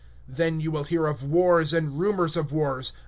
(6)And ye will hear of wars, and rumors of wars.